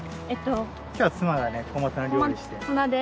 今日は妻がね小松菜料理して。